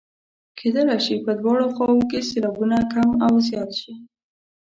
کیدلای شي په دواړو خواوو کې سېلابونه کم او زیات شي.